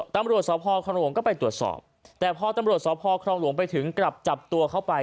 ตำรวจสพครองหลวงก็ไปตรวจสอบแต่พอตำรวจสพครองหลวงไปถึงกลับจับตัวเข้าไป